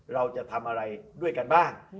เราจะทำอะไรด้วยกันบ้าง